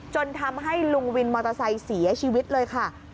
จนทำให้ลุงวินมอเตอร์ไซค์เสียชีวิตเลยค่ะ